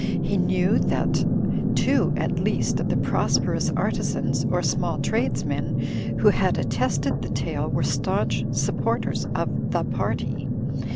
He knew that two at least of the prosperous artisans or small tradesmen who had at tested the tale were staunch supporters of The Party.